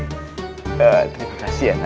terima kasih ya nak ya